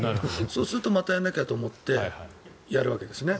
そうするとまたやらなきゃと思ってやるわけですね。